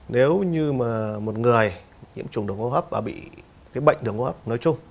nếu như mà một người nhiễm trùng đường hô hấp và bị bệnh đường hô hấp nói chung